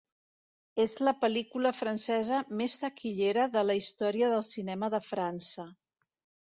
És la pel·lícula francesa més taquillera de la història del cinema de França.